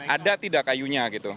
ada tidak kayunya gitu